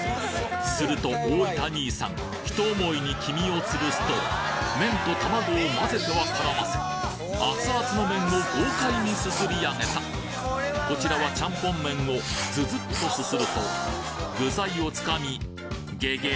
すると大分兄さんひと思いに黄身をつぶすと麺と卵を混ぜては絡ませ熱々の麺を豪快にすすり上げたこちらはチャンポン麺をズズっとすすると具材をつかみげげ！